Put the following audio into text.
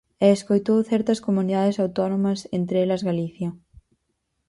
E escoitou certas comunidades autónomas, entre elas Galicia.